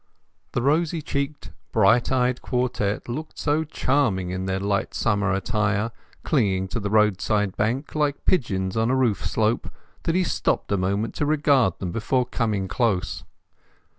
The rosy cheeked, bright eyed quartet looked so charming in their light summer attire, clinging to the roadside bank like pigeons on a roof slope, that he stopped a moment to regard them before coming close.